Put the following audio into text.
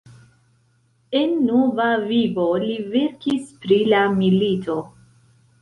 En nova vivo li verkis pri la milito.